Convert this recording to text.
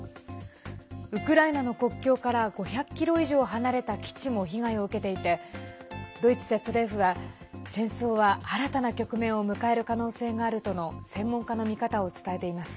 ウクライナの国境から５００ｋｍ以上離れた基地も被害を受けていてドイツＺＤＦは戦争は新たな局面を迎える可能性があるとの専門家の見方を伝えています。